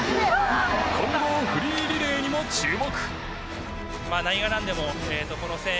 混合フリーリレーにも注目！